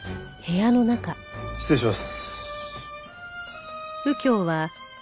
失礼します。